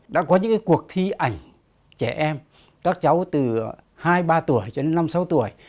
đã có những cuộc thi ảnh trẻ em các cháu từ hai ba tuổi cho đến năm sáu tuổi